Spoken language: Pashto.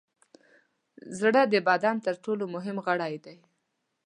زړه د بدن تر ټولو مهم عضوي غړی دی.